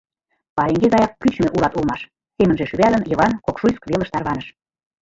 «Пареҥге гаяк кӱчымӧ улат улмаш», — семынже шӱвалын, Йыван Кокшуйск велыш тарваныш.